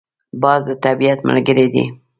باز د طبیعت ملګری دی